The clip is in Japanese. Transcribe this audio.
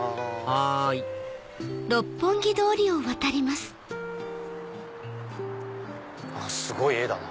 はいすごい絵だな。